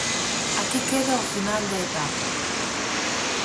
Aquí queda o final de etapa: